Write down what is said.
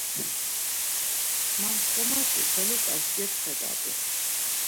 Mamçxomaşi feluǩas gepxedati?